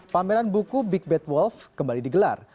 pameran buku big bad wolf kembali digelar